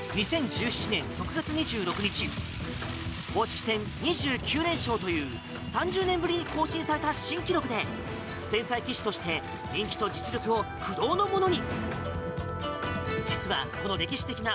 更に、２０１７年６月２６日公式戦２９連勝という３０年ぶりに更新された新記録で天才棋士として人気と実力を不動のものに。